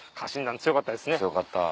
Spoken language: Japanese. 強かった。